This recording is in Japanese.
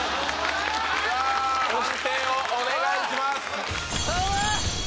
判定をお願いします！